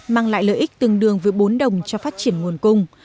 mang lại lợi ích tương đương với bốn đồng cho phát triển nguồn cung